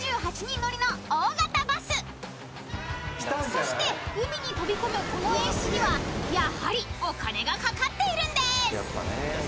［そして海に飛び込むこの演出にはやはりお金がかかっているんです］